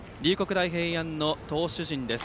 大平安の投手陣です。